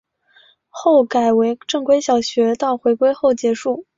后改为正规小学到回归后结束。